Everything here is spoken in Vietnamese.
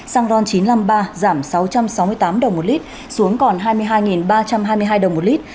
xăng ron chín trăm năm mươi ba giảm sáu trăm sáu mươi tám đồng một lít xuống còn hai mươi hai ba trăm hai mươi hai đồng một lít